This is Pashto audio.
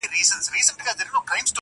نيمه خوږه نيمه ترخه وه ښه دى تېره سوله-